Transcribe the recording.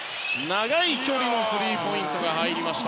長い距離のスリーポイントが入りました。